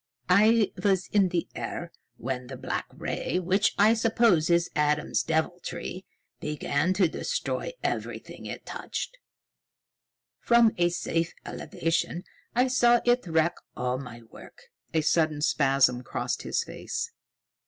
"I was in the air when the black ray, which I suppose is Adam's deviltry, began to destroy everything it touched. From a safe elevation I saw it wreck all my work." A sudden spasm crossed his face.